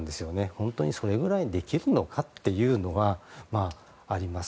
本当にそれくらいできるのかというのはあります。